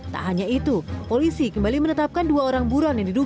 tak hanya itu polisi kembali menetapkan dua orang buron yang diduga